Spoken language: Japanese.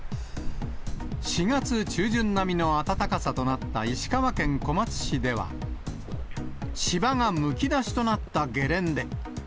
４月中旬並みの暖かさとなった石川県小松市では、芝がむき出しとなったゲレンデ。